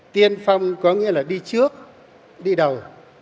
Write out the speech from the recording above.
tiên phong có nghĩa là đi trước đi đầu